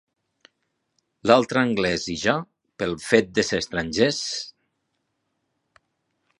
L'altre anglès i jo, pel fet de ser estrangers...